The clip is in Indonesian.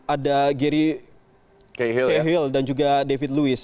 ada gary cahill dan juga david lewis